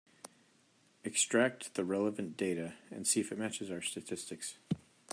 Extract the relevant data and see if it matches our statistics.